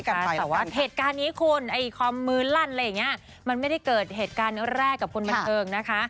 แต่ว่าเพราะว่าเหตุการณ์นี้คุณความมื้อรั่นมันไม่ได้เกิดเหตุการณ์แรกกับคุณบ่นเทิงนะคะ